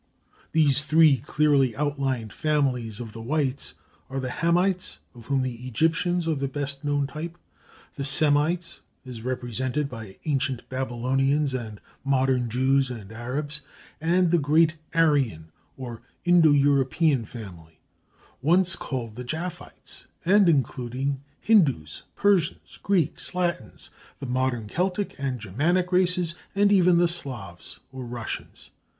These three clearly outlined families of the whites are the Hamites, of whom the Egyptians are the best known type; the Semites, as represented by ancient Babylonians and modern Jews and Arabs; and the great Aryan or Indo European family, once called the Japhites, and including Hindus, Persians, Greeks, Latins, the modern Celtic and Germanic races, and even the Slavs or Russians.